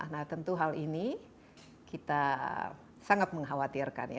nah tentu hal ini kita sangat mengkhawatirkan ya